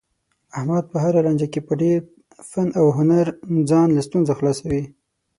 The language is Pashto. احمد په هره لانجه کې په ډېر فن او هنر ځان له ستونزو خلاصوي.